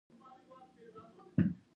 شیرعالم وایی په غوسه کې